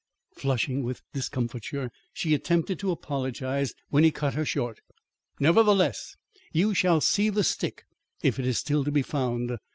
Flushing with discomfiture, she attempted to apologise, when he cut her short. "Nevertheless, you shall see the stick if it is still to be found.